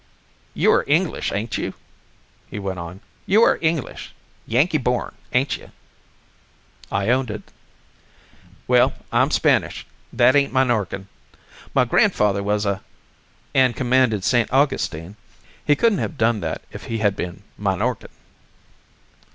"You are English, ain't you?" he went on. "You are English, Yankee born, ain't you?" I owned it. "Well, I'm Spanish. That ain't Minorcan. My grandfather was a , and commanded St. Augustine. He couldn't have done that if he had been Minorcan."